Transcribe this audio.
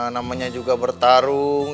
namanya juga bertarung